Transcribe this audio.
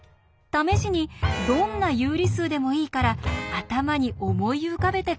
試しにどんな有理数でもいいから頭に思い浮かべて下さい。